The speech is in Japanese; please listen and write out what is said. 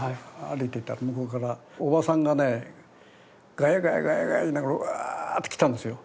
歩いてたら向こうからおばさんがねガヤガヤガヤガヤ言いながらワーッて来たんですよ。